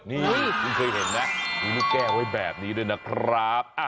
นี่คุณเคยเห็นไหมมีลูกแก้วไว้แบบนี้ด้วยนะครับ